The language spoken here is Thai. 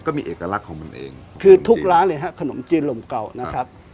เอกลักษณ์ของมันเองคือทุกร้านเลยฮะขนมจีนลมเก่านะครับ